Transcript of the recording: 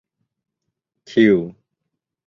ชิล